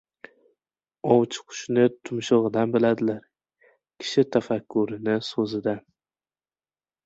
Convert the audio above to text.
• Ovchi qushni tumshug‘idan biladilar, kishi tafakkurini ― so‘zidan.